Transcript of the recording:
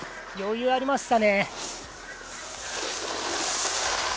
余裕、ありましたね。